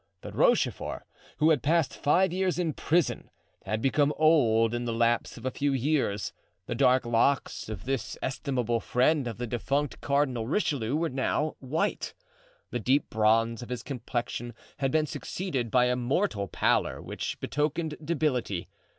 But Rochefort, who had passed five years in prison, had become old in the lapse of a few years; the dark locks of this estimable friend of the defunct Cardinal Richelieu were now white; the deep bronze of his complexion had been succeeded by a mortal pallor which betokened debility.